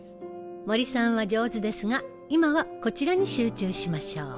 森さんは上手ですが今はこちらに集中しましょう。